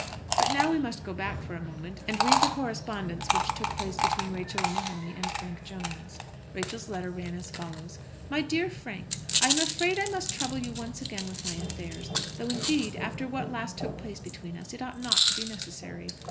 But now we must go back for a moment, and read the correspondence which took place between Rachel O'Mahony and Frank Jones. Rachel's letter ran as follows: MY DEAR FRANK, I am afraid I must trouble you once again with my affairs; though, indeed, after what last took place between us it ought not to be necessary.